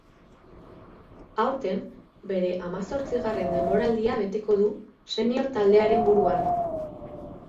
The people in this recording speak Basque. Aurten, bere hamazortzigarren denboraldia beteko du senior taldearen buruan.